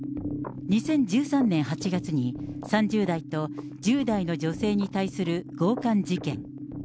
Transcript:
２０１３年８月に、３０代と１０代の女性に対する強かん事件。